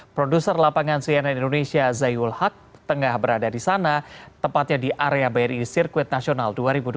produser lapangan cnn indonesia zayul haq tengah berada di sana tepatnya di area bri sirkuit nasional dua ribu dua puluh